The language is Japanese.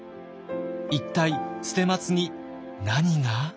一体捨松に何が？